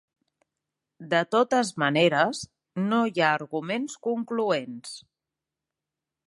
De totes maneres, no hi ha arguments concloents.